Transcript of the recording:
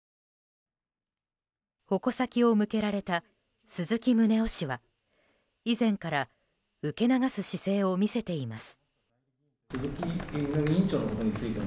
矛先を向けられた鈴木宗男氏は以前から受け流す姿勢を見せています。